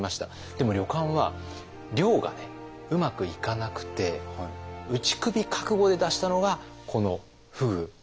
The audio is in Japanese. でも旅館は漁がうまくいかなくて打ち首覚悟で出したのがこの「ふぐ」なんです。